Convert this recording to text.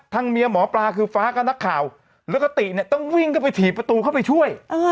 เมียหมอปลาคือฟ้ากับนักข่าวแล้วก็ติเนี่ยต้องวิ่งเข้าไปถีบประตูเข้าไปช่วย